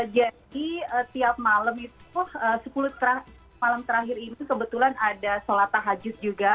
jadi tiap malam itu sepuluh malam terakhir ini kebetulan ada solat tahajud juga